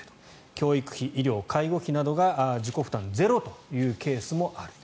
教育費、医療・介護費などの自己負担がゼロのケースもあると。